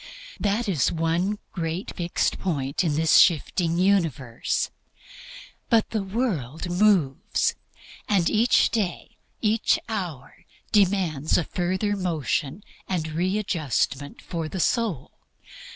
That is one great fixed point in this shifting universe. But the world moves. And each day, each hour, demands a further motion and readjustment for the soul.